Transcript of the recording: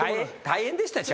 大変でしたよ